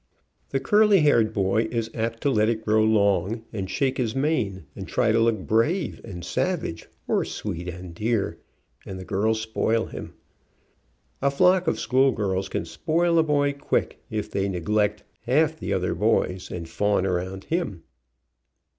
The curly haired boy is apt to let it grow long, and shake his mane, and try to look brave, and savage, or sweet and dear, and the girls spoil him. A flock of school girls can spoil a boy quick, if they neglect alf other boys, and fawn around him.